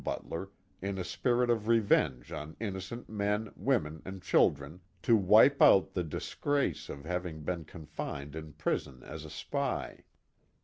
Butler in a spirit of revenge on innocent men, women, and children, to wipe out the disgrace (?) of having been con fined in prison as a spy.